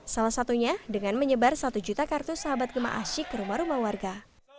salah satunya dengan menyebar satu juta kartu sahabat gema asyik ke rumah rumah warga